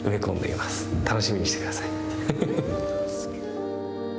楽しみにして下さい。